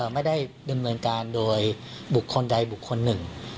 ไม่ได้ดำเนินการโดยบุคคลใดบุคคลหนึ่ง